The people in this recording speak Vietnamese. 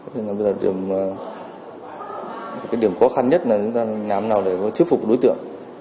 thế nên là cái điểm khó khăn nhất là chúng ta làm thế nào để thuyết phục đối tượng